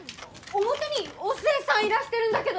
表にお寿恵さんいらしてるんだけど！